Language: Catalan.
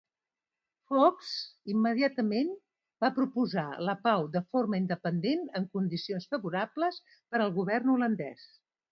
Fox immediatament va proposar la pau de forma independent en condicions favorables per al govern holandès.